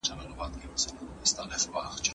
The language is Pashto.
ښځي هم باید په اقتصاد کي ونډه ولري.